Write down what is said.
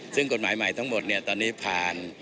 ซึ่งกฎหมายใหม่ทั้งหมดเนี่ยตอนนี้ผ่าน